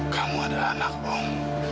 kamu adalah anak om